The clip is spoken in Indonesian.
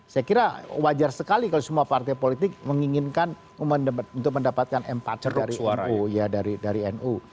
saya kira wajar sekali kalau semua partai politik menginginkan untuk mendapatkan empat dari nu